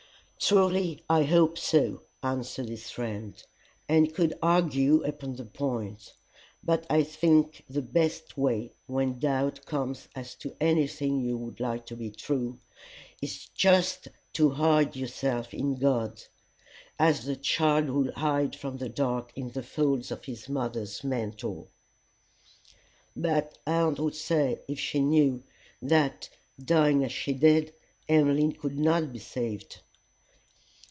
"Truly I hope so," answered his friend, "and could argue upon the point. But I think the best way, when doubt comes as to anything you would like to be true, is just to hide yourself in God, as the child would hide from the dark in the folds of his mother's mantle." "But aunt would say, if she knew, that, dying as she did, Emmeline could not be saved."